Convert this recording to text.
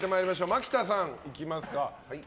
マキタさん、いきますか。